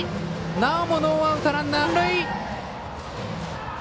なおもノーアウト、ランナー満塁。